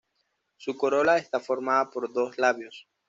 Su corola está formada por dos labios.